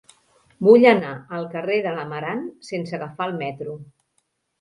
Vull anar al carrer de l'Amarant sense agafar el metro.